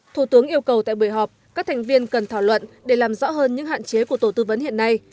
thủ tướng yêu cầu tại buổi họp các thành viên cần thảo luận để làm rõ hơn những hạn chế của tổ tư vấn hiện nay